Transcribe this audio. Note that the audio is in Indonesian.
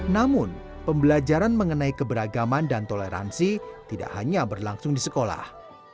namun pembelajaran mengenai keberagaman dan toleransi tidak hanya berlangsung di sekolah